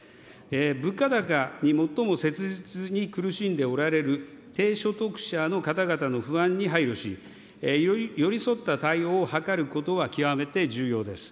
物価高に最も切実に苦しんでおられる低所得者の方々の不安に配慮し、より寄り添った対応を図ることは極めて重要です。